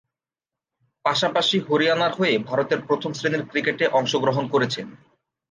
পাশাপাশি হরিয়ানার হয়ে ভারতের প্রথম-শ্রেণীর ক্রিকেটে অংশগ্রহণ করছেন।